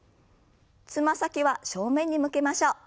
つま先は正面に向けましょう。